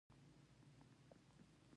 پښتونولي د پښتنو ویاړ ده.